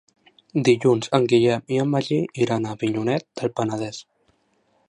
Dilluns en Guillem i en Magí iran a Avinyonet del Penedès.